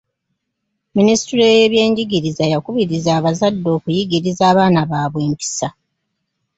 Minisitule y'ebyenjigiriza yakubiriza abazadde okuyigiriza abaana baabwe empisa.